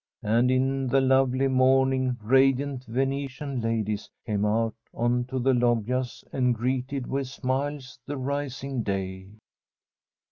And in the lovely morning radiant Venetian ladies came out on to the loggias and greeted with smiles the rising day.